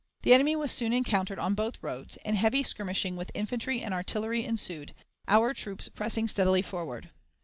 The enemy was soon encountered on both roads, and heavy skirmishing with infantry and artillery ensued, our troops pressing steadily forward.